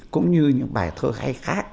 cũng như những bài thơ hay khác